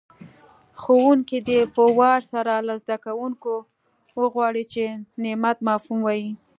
ښوونکی دې په وار سره له زده کوونکو وغواړي چې د نعت مفهوم ووایي.